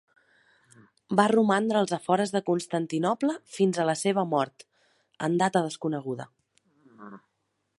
Va romandre als afores de Constantinoble fins a la seva mort, en data desconeguda.